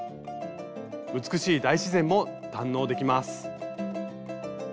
美しい大自然も堪能できます。